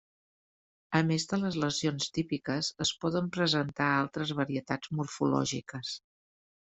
A més de les lesions típiques, es poden presentar altres varietats morfològiques.